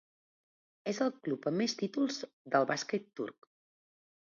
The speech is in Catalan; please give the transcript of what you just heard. És el club amb més títols del bàsquet turc.